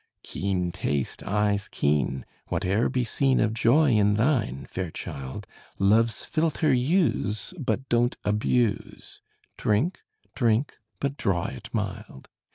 Keen taste, eyes keen whate'er be seen Of joy in thine, fair child, Love's philtre use, but don't abuse: Drink, drink but draw it mild!